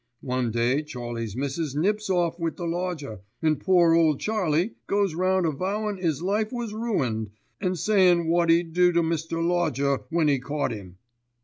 One day Charlie's missus nips off wi' the lodger, and poor ole Charlie goes round a vowin' 'is life was ruined, an' sayin' wot 'e'd do to Mr. Lodger when 'e caught 'im.